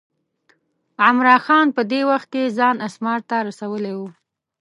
عمرا خان په دې وخت کې ځان اسمار ته رسولی و.